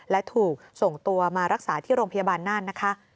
และถูกส่งตัวมารักษาที่โรงพยาบาลน่านนะคะ